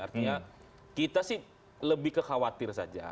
artinya kita sih lebih kekhawatir saja